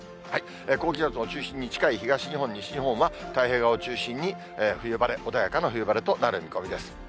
高気圧の中心に近い東日本、西日本は太平洋側を中心に、冬晴れ、穏やかな冬晴れとなる見込みです。